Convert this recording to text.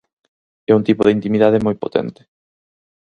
É un tipo de intimidade moi potente.